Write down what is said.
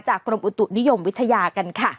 กรมอุตุนิยมวิทยากันค่ะ